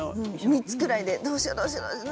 ３つくらいでどうしよう、どうしようって。